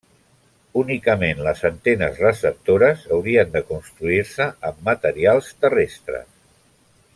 Únicament les antenes receptores haurien de construir-se amb materials terrestres.